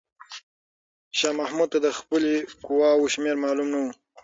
شاه محمود ته د خپلې قواوو شمېر معلومه نه و.